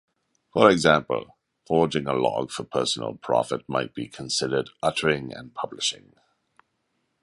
For example, forging a log for personal profit might be considered uttering and publishing.